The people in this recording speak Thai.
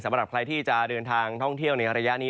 สำหรับใครที่จะเดินทางท่องเที่ยวในระยะนี้